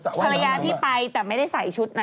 ขายรูปอยู่ริมสายอยู่